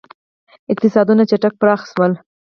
• اقتصادونه چټک پراخ شول.